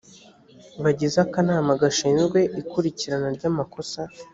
bagize akanama gashinzwe ikurikirana ry amakosa